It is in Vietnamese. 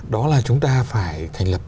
đó là chúng ta phải thành lập